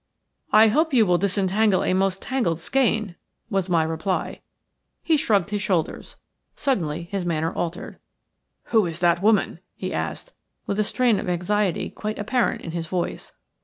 "I hope you will disentangle a most tangled skein," was my reply. He shrugged his shoulders. Suddenly his manner altered. "Who is that woman?" he said, with a strain of anxiety quite apparent in his voice.